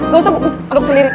gak usah aduk sendiri